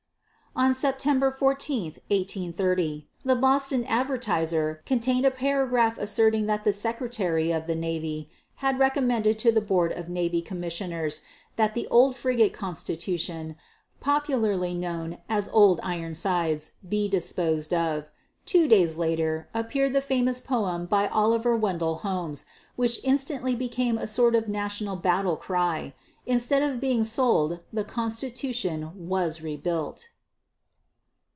On September 14, 1830, the Boston Advertiser contained a paragraph asserting that the Secretary of the Navy had recommended to the Board of Navy Commissioners that the old frigate Constitution, popularly known as "Old Ironsides," be disposed of. Two days later appeared the famous poem by Oliver Wendell Holmes, which instantly became a sort of national battle cry. Instead of being sold, the Constitution was rebuilt.